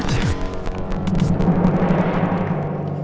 terima kasih ya pak